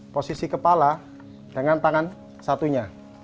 posisi kepala dengan tangan satunya